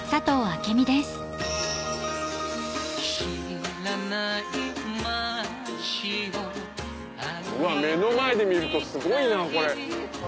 知らない街をうわっ目の前で見るとすごいなこれ。